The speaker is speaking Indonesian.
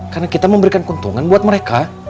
karena kita memberikan keuntungan buat mereka